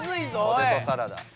ポテトサラダ。